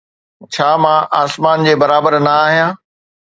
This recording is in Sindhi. ڇا مان آسمان جي برابر نه آهيان؟